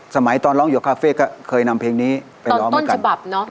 ตอนร้องอยู่คาเฟ่ก็เคยนำเพลงนี้ไปร้องเหมือนกันฉบับเนอะ